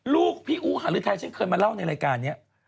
ลูกพี่อู๋หารุทัยฉันเคยมาเล่าในรายการนี้